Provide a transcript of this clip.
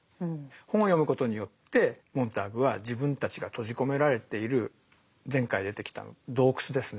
本を読むことによってモンターグは自分たちが閉じ込められている前回出てきた「洞窟」ですね。